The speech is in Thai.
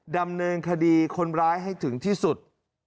ดำเนินคดีคนร้ายให้ถึงที่สุด